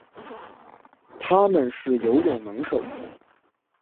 它们是游泳能手。